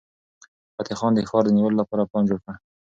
فتح خان د ښار د نیولو لپاره پلان جوړ کړ.